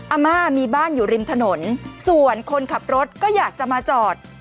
อาม่ามีบ้านอยู่ริมถนนส่วนคนขับรถก็อยากจะมาจอด